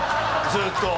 ずーっと。